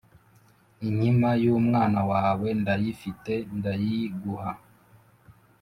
inkima y’umwana wawe ndayifite ndayiguha.’